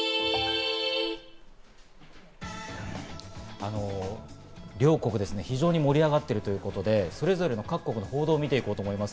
あの、両国ですね、非常に盛り上がっているということで、それぞれの各国の報道を見て行こうと思います。